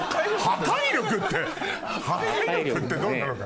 破壊力ってね。